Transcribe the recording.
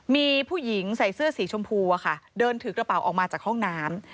มีผู้หญิงใส่เสื้อสีชมพูอะค่ะเดินถือกระเป๋าออกมาจากห้องน้ำ